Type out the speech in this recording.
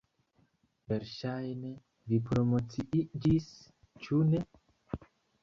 Verŝajne, vi promociiĝis, ĉu ne?